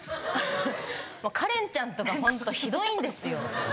カレンちゃんとかホントひどいんですよ。